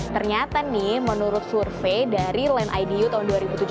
ternyata nih menurut survei dari land idu tahun dua ribu tujuh belas